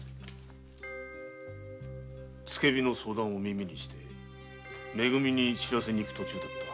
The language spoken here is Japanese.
放火の相談を耳にしめ組に知らせに行く途中だった。